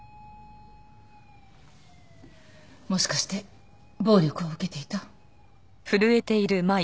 もしかして暴力を受けていた？